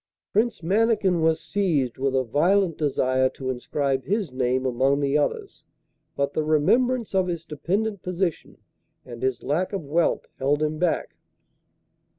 Prince Mannikin was seized with a violent desire to inscribe his name among the others, but the remembrance of his dependent position and his lack of wealth held him back.